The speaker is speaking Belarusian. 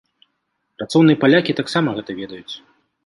Працоўныя палякі таксама гэта ведаюць.